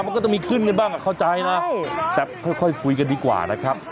มันก็ต้องมีขึ้นกันบ้างเข้าใจนะแต่ค่อยคุยกันดีกว่านะครับ